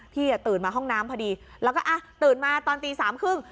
ตื่นมาห้องน้ำพอดีแล้วก็อ่ะตื่นมาตอนตีสามครึ่ง